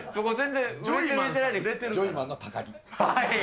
ジョイマンの高木。